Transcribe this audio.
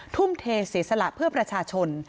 ทุ่มเทเสียสละเพื่อประชาชน